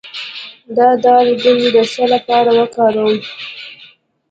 د دال ګل د څه لپاره وکاروم؟